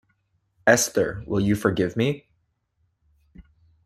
Esther, will you forgive me?